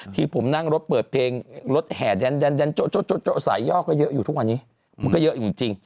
ที่ผมนั่งรถเปิดเพลงรถแห่ดันโจ๊ะสายยอกก็เยอะอยู่ทุกวันนี้